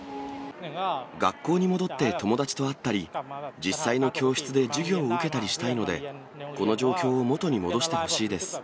学校に戻って友達と会ったり、実際の教室で授業を受けたりしたいので、この状況を元に戻してほしいです。